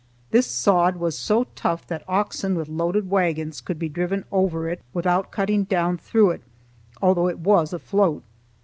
This sod was so tough that oxen with loaded wagons could be driven over it without cutting down through it, although it was afloat.